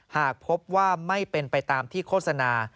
หากพบว่าไม่เป็นไปตามที่โฆษณา